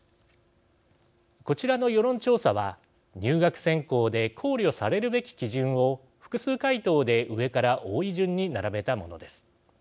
こちらの世論調査は入学選考で考慮されるべき基準を複数回答で上から多い順に並べたものです。